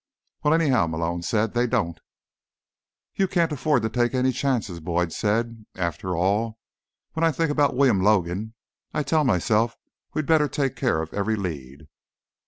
"Well, anyhow," Malone said, "they don't." "You can't afford to take any chances," Boyd said. "After all, when I think about William Logan, I tell myself we'd better take care of every lead."